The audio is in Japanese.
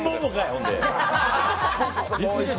ほんで。